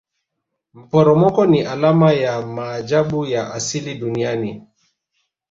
maporomoko ni alama ya maajabu ya asili duniani